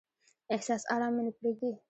احساس ارام مې نه پریږدي.